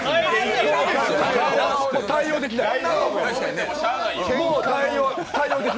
対応できない。